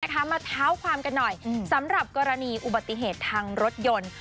มาเท้าความกันหน่อยสำหรับกรณีอุบัติเหตุทางรถยนต์